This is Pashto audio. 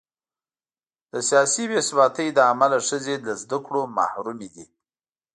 له سیاسي بې ثباتۍ امله ښځې له زده کړو محرومې دي.